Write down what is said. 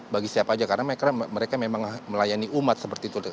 bagi siapa aja karena mereka memang melayani umat seperti itu